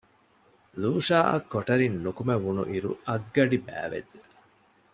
ލޫޝާއަށް ކޮޓަރިން ނުކުމެވުނު އިރު އަށްގަޑި ބައިވެއްޖެ